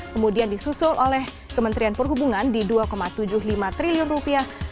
kemudian disusul oleh kementerian perhubungan di dua tujuh puluh lima triliun rupiah